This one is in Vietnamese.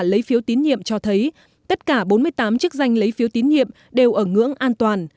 lấy phiếu tín nhiệm cho thấy tất cả bốn mươi tám chức danh lấy phiếu tín nhiệm đều ở ngưỡng an toàn